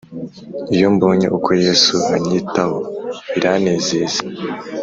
iyo mbonye uko yesu anyitaho biranezeza